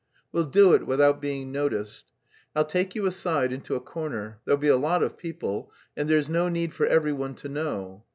We'll do it without being noticed; I'll take you aside into a corner; there'll be a lot of people and there's no need for every one to know.